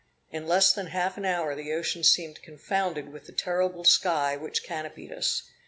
In less than half an hour the ocean seemed confounded with the terrible sky which canopied us.